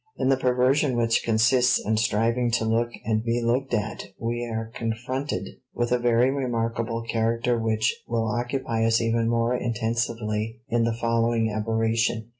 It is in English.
In the perversion which consists in striving to look and be looked at we are confronted with a very remarkable character which will occupy us even more intensively in the following aberration.